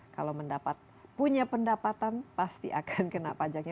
kalau mendapat punya pendapatan pasti akan kena pajaknya